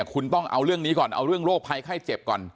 คุณต้องเอาเรื่องนี้ก่อนเอาเรื่องโรคภัยไข้เจ็บก่อน